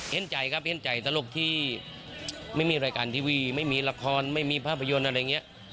เห็นใจครับเห็นใจตลกที่ไม่มีรายการทีวีไม่มีละครไม่มีภาพยนตร์อะไรอย่างนี้